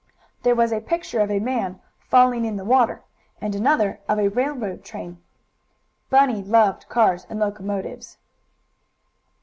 There was a picture of a man falling in the water, and another of a railroad train. Bunny loved cars and locomotives.